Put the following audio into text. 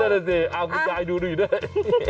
เออได้คุณยายดูดูด้วย